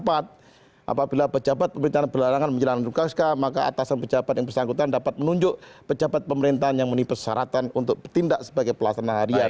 apabila pejabat pemerintahan berlarangan menjalankan tugas maka atasan pejabat yang bersangkutan dapat menunjuk pejabat pemerintahan yang menipesyaratan untuk bertindak sebagai pelaksana harian